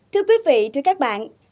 thưa quý vị thưa các bạn